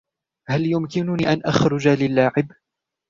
هل يمكننى أن أخرج للعب ؟